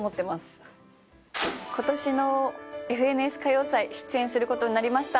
ことしの『ＦＮＳ歌謡祭』出演することになりました。